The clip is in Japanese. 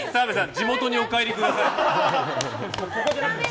地元にお帰りください。